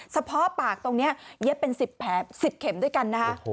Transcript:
เฉพาะปากตรงนี้เย็บเป็น๑๐แผล๑๐เข็มด้วยกันนะคะ